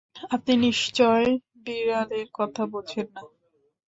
আপনি নিশ্চয়ই বিড়ালের কথা বোঝেন না!